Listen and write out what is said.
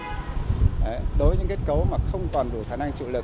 đối với những kết cấu mà không còn đủ khả năng chịu lực